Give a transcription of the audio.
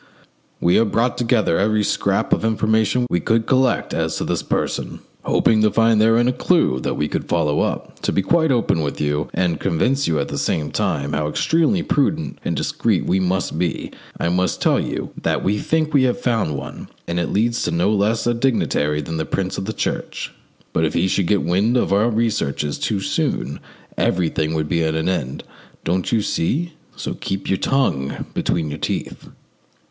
We have brought together every scrap of information we could collect as to this person, hoping to find therein a clue that we could follow up. To be quite open with you, and convince you at the same time how extremely prudent and discreet we must be, I must tell you that we think we have found one, and that it leads to no less a dignitary than a Prince of the Church. But if he should get wind of our researches too soon everything would be at an end, don't you see? So keep your tongue between your teeth."